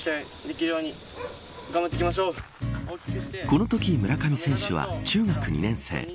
このとき村上選手は中学２年生。